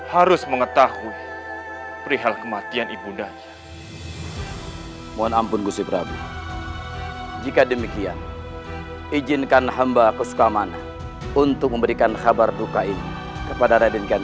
yang kulileri pentop pujud yang tersenyum empat ya